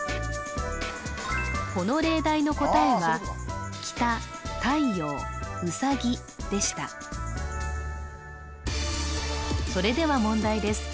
この例題の答えはそれでは問題です